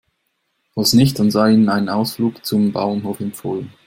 Falls nicht, dann sei Ihnen ein Ausflug zum Bauernhof empfohlen.